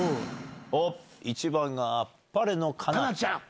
１番が「あっぱれかなちゃん」。